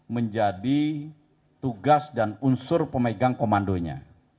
menjadi tugas dan unsur pemegang komandonya